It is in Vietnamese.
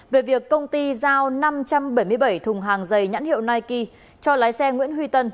về việc công ty giao năm trăm bảy mươi bảy thùng hàng dày nhãn hiệu nike cho lái xe nguyễn huy tân